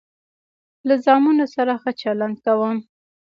له زامنو سره ښه چلند کوم.